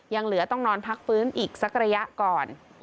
ยังเหลือต้องนอนพักฟื้นอีกสักระยะก่อน